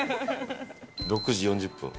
６時４０分。